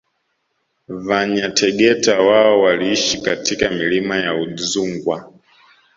Vanyategeta wao waliishi katika milima ya Udzungwa